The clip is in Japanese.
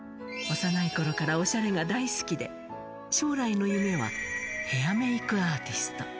幼いころからおしゃれが大好きで、将来の夢はヘアメイクアーティスト。